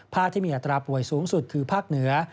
ที่มีอัตราป่วยสูงสุดคือภาคเหนือ